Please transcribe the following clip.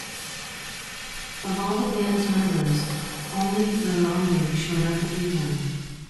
Of all the band's members, only LaLonde showed up at the event.